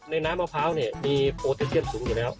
น้ำมะพร้าวเนี่ยมีโปรติเซียนสูงอยู่แล้ว